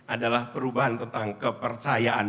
adalah perubahan tentang kepercayaan